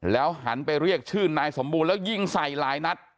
หันไปเรียกชื่อนายสมบูรณ์แล้วยิงใส่หลายนัด